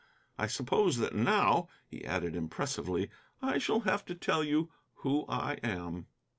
I suppose that now," he added impressively, "I shall have to tell you who I am."